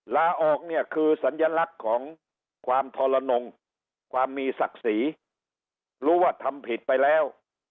ลาออกเนี่ยคือสัญลักษณ์ของความทรนงความมีศักดิ์ศรีรู้ว่าทำผิดไปแล้ว